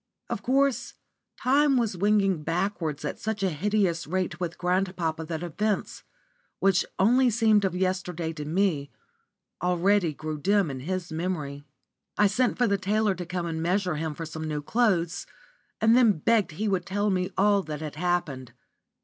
Of course time was winging backwards at such a hideous rate with grandpapa that events, which only seemed of yesterday to me, already grew dim in his memory. I sent for the tailor to come and measure him for some new clothes, and then begged he would tell me all that had happened.